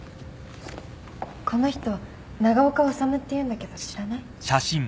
この人長岡修っていうんだけど知らない？